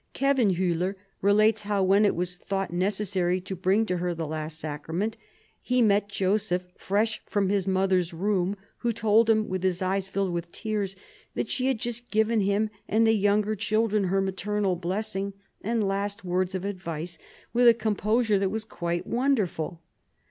Khevenhuller relates how when it was thought necessary to bring to her the last sacrament, he met Joseph, fresh from his mother's room, who told him, with his eyes filled with tears, that she had just given him and the younger children her maternal blessing and last words of advice with a composure that was quite wonderful.